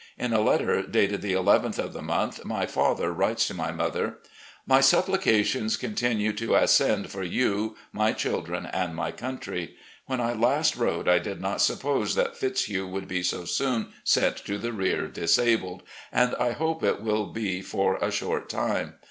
In a letter dated the nth of the month, my father writes to my mother: "... My supplications continue to ascend for you, my children, and my country. When I last wrote I did not suppose that Fitzhugh would be so soon sent to the rear disabled, and I hope it will be for a short time.